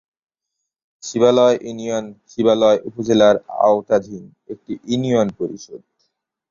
শিবালয় union Shibalaya উপজেলার আওতাধীন একটি ইউনিয়ন পরিষদ।